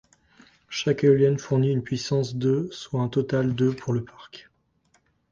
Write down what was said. Chaque éolienne fournit une puissance de soit un total de pour le parc.